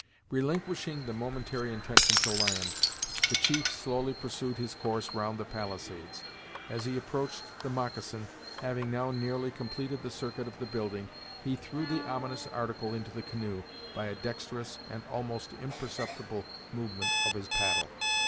Relinquishing the momentary intention to land, the chief slowly pursued his course round the palisades. As he approached the moccasin, having now nearly completed the circuit of the building, he threw the ominous article into the canoe, by a dexterous and almost imperceptible movement of his paddle.